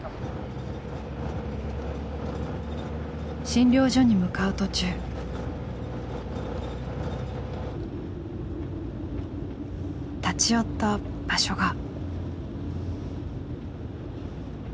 診療所に向かう途中立ち寄った場所が。